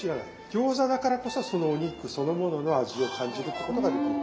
餃子だからこそそのお肉そのものの味を感じるってことができる。